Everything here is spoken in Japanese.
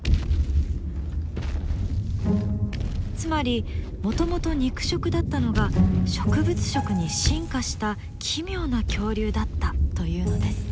つまりもともと肉食だったのが植物食に進化した奇妙な恐竜だったというのです。